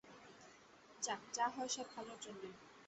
যাক, যা হয় সব ভালর জন্যই।